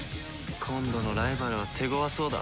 今度のライバルは手ごわそうだ。